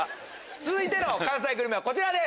続いての関西グルメはこちらです。